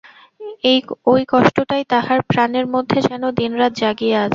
ঐ কষ্টটাই তাঁহার প্রাণের মধ্যে যেন দিনরাত জাগিয়া আছে।